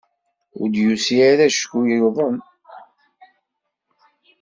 Ur d-yusi ara acku yuḍen.